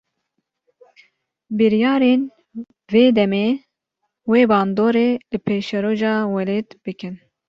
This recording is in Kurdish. Biryarên vê demê, wê bandorê li paşeroja welêt bikin